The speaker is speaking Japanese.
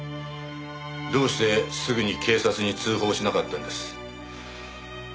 どうしてすぐに警察に通報しなかったんです？